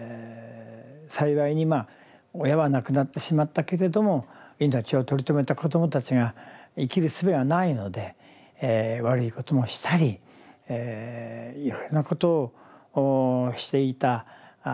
幸いにまあ親は亡くなってしまったけれども命を取り留めた子どもたちが生きるすべがないので悪いこともしたりいろいろなことをしていた。